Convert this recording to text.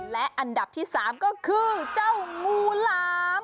และอันดับที่๓ก็คือเจ้างูหลาม